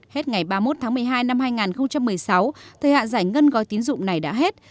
hết ngày ba mươi một tháng một mươi hai năm hai nghìn một mươi sáu thời hạn giải ngân gói tín dụng này đã hết